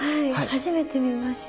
初めて見ました。